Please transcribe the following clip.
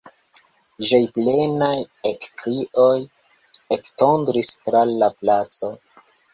Ĝojplenaj ekkrioj ektondris tra la placo.